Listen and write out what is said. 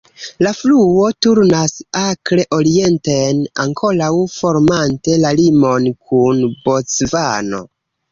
La fluo turnas akre orienten, ankoraŭ formante la limon kun Bocvano.